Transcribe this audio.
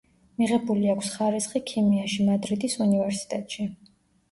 მიღებული აქვს ხარისხი ქიმიაში მადრიდის უნივერსიტეტში.